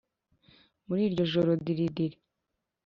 muri iryo joro diridiri